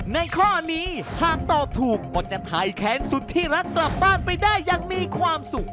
ข้อนี้หากตอบถูกก็จะถ่ายแค้นสุดที่รักกลับบ้านไปได้อย่างมีความสุข